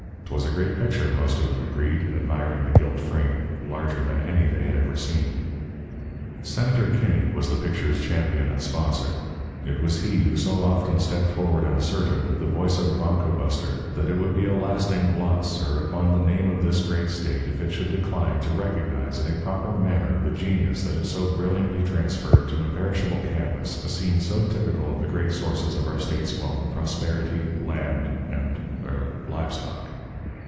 'Twas a great picture, most of them agreed, admiring the gilt frame larger than any they had ever seen. Senator Kinney was the picture's champion and sponsor. It was he who so often stepped forward and asserted, with the voice of a bronco buster, that it would be a lasting blot, sir, upon the name of this great state if it should decline to recognize in a proper manner the genius that had so brilliantly transferred to imperishable canvas a scene so typical of the great sources of our state's wealth and prosperity, land and er live stock.